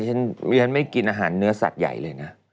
ฉันไม่กินอาหารเนื้อสัตว์ใหญ่เลยนะ